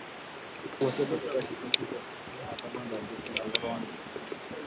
Wote kutoka kikosi cha sitini na tano cha jeshi la Rwanda.